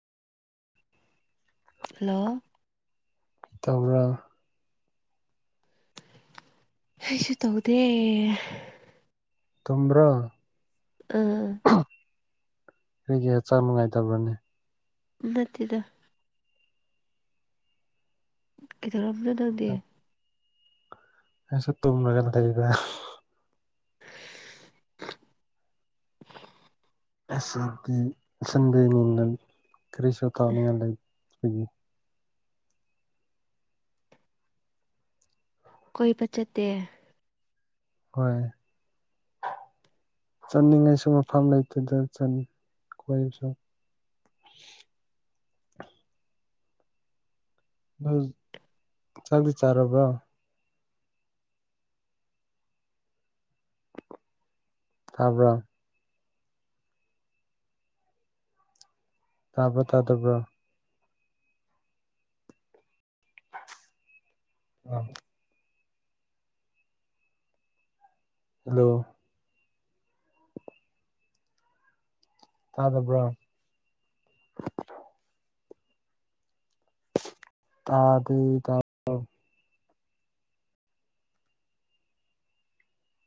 hello ꯇꯧꯔ ꯀꯁꯨ ꯇꯧꯗꯦ ꯇꯨꯝꯝꯕ꯭ꯔ ꯎꯝ ꯑꯩꯒꯤ ꯍꯛꯆꯥꯡ ꯅꯨꯡꯉꯥꯏꯇꯕ꯭ꯔꯅꯦ ꯎꯠꯇꯗ ꯀꯩꯗ ꯄꯨꯖ ꯅꯪꯗꯦ ꯑꯦ ꯁ ꯇꯨ ꯃꯒ ꯇ ꯑꯁꯤꯁꯗꯤ ꯑꯟꯕ ꯃꯤꯅ ꯀꯔꯤꯁꯨ ꯇꯥꯎꯅꯤꯡꯉꯥꯏ ꯂꯩ ꯑꯩꯣꯏꯒꯤ ꯀꯣꯏꯕ ꯆꯠꯇꯦ ꯍꯣꯏ ꯆꯠꯅꯤꯡꯉꯥꯏꯁꯨ ꯃꯐꯝ ꯂꯩꯇꯗ ꯀꯣꯏꯕꯁꯨ [unintelligible] ꯑ ꯆꯥꯛꯗꯤ ꯆꯥꯔꯕ꯭ꯔꯣ ꯊꯥꯕ꯭ꯔꯣ ꯇꯥꯄ ꯇꯥꯗ ꯄꯨ꯭ꯔꯣ ꯑ ꯍꯜꯂꯣ ꯇꯥꯗꯕ꯭ꯔꯣ ꯇꯥꯗꯤ ꯇ